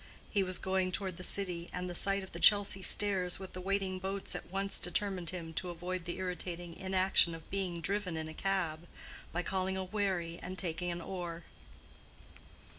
He was going toward the city, and the sight of the Chelsea Stairs with the waiting boats at once determined him to avoid the irritating inaction of being driven in a cab, by calling a wherry and taking an oar.